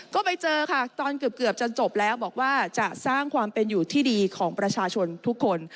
ก็ไปเจอค่ะตอนเกือบจะจบแล้วบอกว่าจะสร้างความเป็นอยู่ที่ดีของประชาชนทุกคน